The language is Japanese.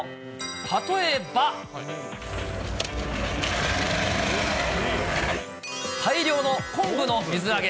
例えば、大量の昆布の水揚げ。